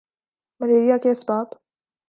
malaria کے اسباب